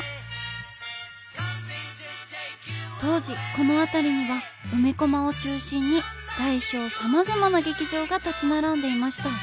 当時この辺りには梅コマを中心に大小さまざまな劇場が立ち並んでいました。